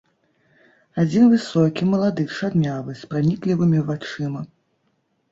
Адзін высокі, малады, чарнявы, з праніклівымі вачыма.